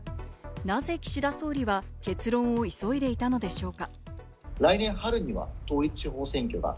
なぜ岸田総理は結論を急いでいたのでしょうか。